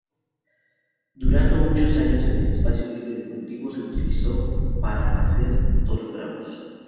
Durando muchos años el espacio libre de cultivos se utilizó para pacer toros bravos.